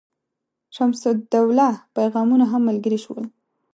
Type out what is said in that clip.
شمس الدوله پیغامونه هم ملګري شول.